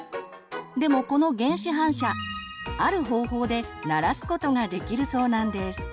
でもこの原始反射ある方法で慣らすことができるそうなんです。